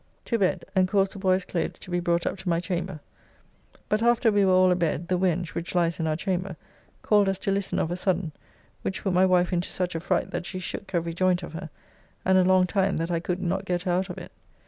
To bed, and caused the boy's clothes to be brought up to my chamber. But after we were all a bed, the wench (which lies in our chamber) called us to listen of a sudden, which put my wife into such a fright that she shook every joint of her, and a long time that I could not get her out of it.